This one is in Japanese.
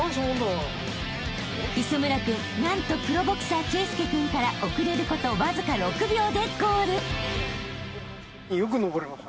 ［磯村君何とプロボクサー圭佑君から遅れることわずか６秒でゴール］